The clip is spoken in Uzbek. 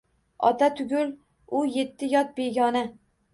Ota tugul u yetti yot begona